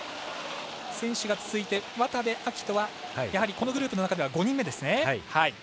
選手が続いて、渡部暁斗はこのグループの中では５人目ですね。